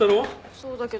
そうだけど。